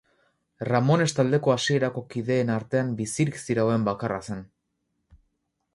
Ramones taldeko hasierako kideen artean bizirik zirauen bakarra zen.